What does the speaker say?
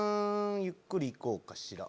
ゆっくり行こうかしら。